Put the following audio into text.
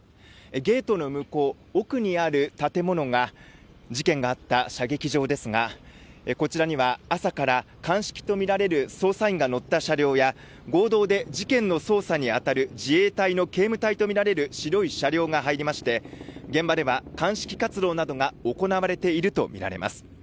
ゲートの向こう、奥にある建物が事件があった射撃場ですがこちらには朝から鑑識とみられる捜査員が乗った車両や合同で事件の捜査に当たる自衛隊の警務隊とみられる白い車両が入りまして現場では鑑識活動などが行われているとみられます。